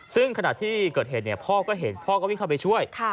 ซึ่งขณะที่เกิดเหตุพ่อก็เห็นพ่อก็วิ่งเข้าไปช่วย